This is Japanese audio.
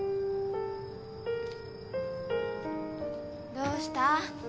どうした？